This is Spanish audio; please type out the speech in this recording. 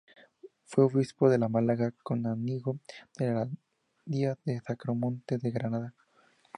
Fue obispo de Málaga y canónigo de la Abadía del Sacromonte de Granada.